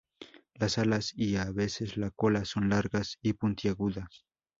Las alas y a veces la cola son largas y puntiagudas.